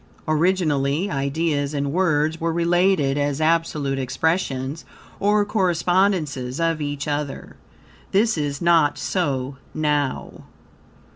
Originally, ideas and words were related as absolute expressions or correspondences, of each other. This is not so now.